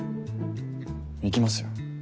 行きますよ。